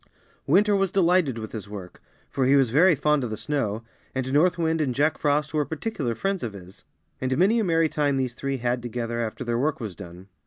Winter was delighted with his work, for he was very fond of the snow, and North Wind and Jack Frost were particular friends of his; and many a merry time these three had together after their work was done.